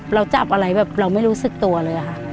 เราจับอะไรแบบเราไม่รู้สึกตัวเลยค่ะ